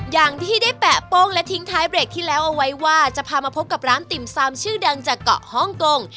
อย่างที่ได้แปะโป้งและทิ้งท้ายเบรกที่แล้วเอาไว้ว่าจะพามาพบกับร้านติ่มซามชื่อดังจากเกาะฮ่องกง